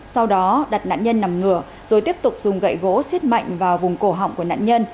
sau đó đặt nạn nhân nằm ngửa rồi tiếp tục dùng gậy gỗ xiết mạnh vào vùng cổ họng của nạn nhân